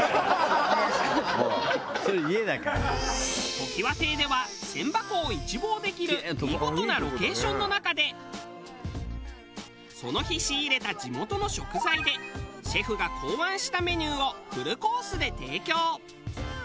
ときわ邸では千波湖を一望できる見事なロケーションの中でその日仕入れた地元の食材でシェフが考案したメニューをフルコースで提供。